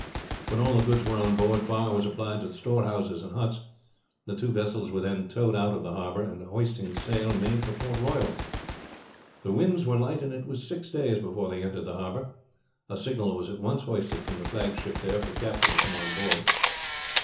When all the goods were on board fire was applied to the storehouses and huts. The two vessels were then towed out of the harbor, and hoisting sail made for Port Royal. The winds were light, and it was six days before they entered the harbor. A signal was at once hoisted from the flagship there for the captain to come on board.